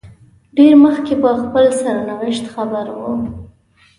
ډېر مخکې په خپل سرنوشت خبر وو.